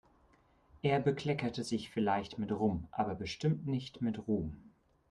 Er bekleckert sich vielleicht mit Rum, aber bestimmt nicht mit Ruhm.